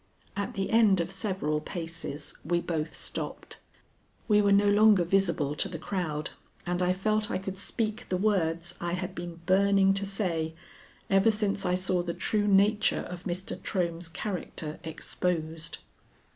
At the end of several paces we both stopped. We were no longer visible to the crowd, and I felt I could speak the words I had been burning to say ever since I saw the true nature of Mr. Trohm's character exposed.